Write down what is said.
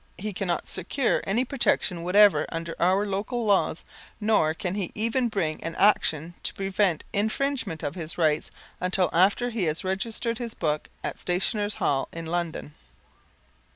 He cannot secure any protection whatever under our local laws, nor can he even bring an action to prevent infringement of his rights until after he has registered his book at Stationers' Hall in London.